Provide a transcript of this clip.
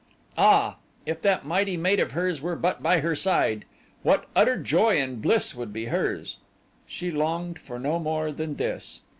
Ah, if that mighty mate of hers were but by her side! What utter joy and bliss would be hers! She longed for no more than this.